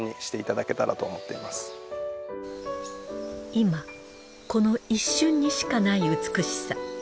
今この一瞬にしかない美しさ。